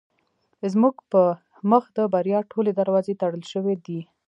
زموږ په مخ د بریا ټولې دروازې تړل شوې دي.